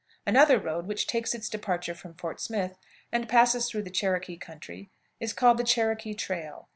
Another road, which takes its departure from Fort Smith and passes through the Cherokee country, is called the "Cherokee Trail."